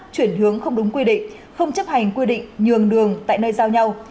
chuyển hướng không đúng quy định không chấp hành quy định nhường đường tại nơi giao nhau